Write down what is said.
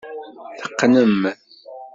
Teqqnem.